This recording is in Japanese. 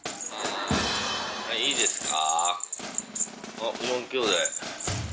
はいいいですか？